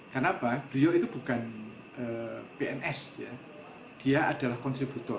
karena beliau itu bukan pns dia adalah kontributor